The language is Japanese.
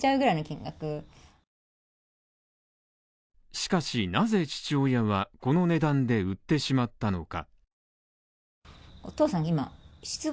しかしなぜ父親はこの値段で売ってしまったのか。